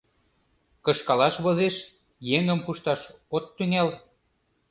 — Кышкалаш возеш, еҥым пушташ от тӱҥал.